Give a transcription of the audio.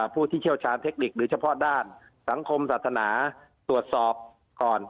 ผู้ที่เชี่ยวชาญเทคนิคหรือเฉพาะด้านสังคมศาสนาตรวจสอบก่อน